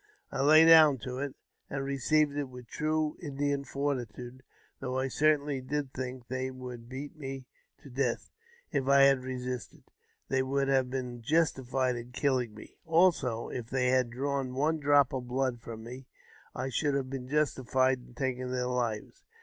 I lay down to it, and received it with true Indian fortitude, though I certainly did think they would beat me to death. If I had resisted, they would have been justified in killing me ; also, if they had drawn JAMES P. BECKWOVBTH. 207 one drop of blood from me, I should have been justified in taking their lives.